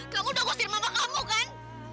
kamu udah ngusir mama kamu kan